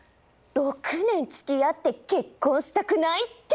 ６年つきあって結婚したくないって。